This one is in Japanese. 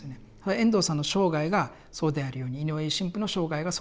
遠藤さんの生涯がそうであるように井上神父の生涯がそうであるように。